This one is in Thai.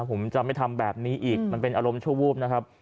ผมจะไม่ทำแบบนี้อีกมันเป็นอารมณ์ชั่ววูบนะครับ